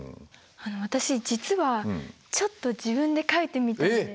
私実はちょっと自分で書いてみたんです。